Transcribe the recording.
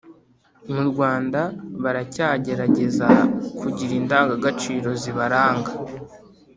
Murwanda baracyagerageza kugira indanga gaciro zibaranga